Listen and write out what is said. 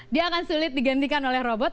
dia akan sulit digantikan oleh robot